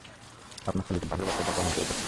আপনার ছেলে যে বাঘের বাচ্চা তার প্রমাণ দিচ্ছে।